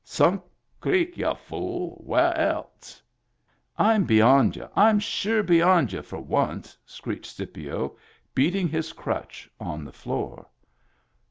"Sunk Creek, y'u fool! Where else?" " I'm beyond y'u ! I'm sure beyond y'u for once!" screeched Scipio, beating his crutch on the floor.